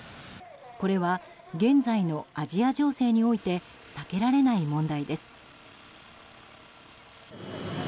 これは現在のアジア情勢において避けられない問題です。